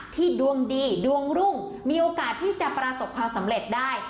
ดวงดีดวงรุ่งมีโอกาสที่จะประสบความสำเร็จได้